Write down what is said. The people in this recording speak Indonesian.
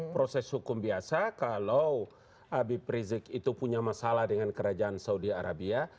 proses hukum biasa kalau habib rizik itu punya masalah dengan kerajaan saudi arabia